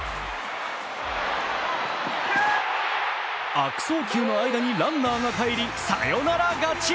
悪送球の間にランナーが帰りサヨナラ勝ち。